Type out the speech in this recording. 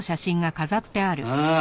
ああ！